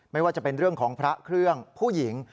ไม่ว่าจะเป็นเรื่องของพระเครื่องผู้หญิง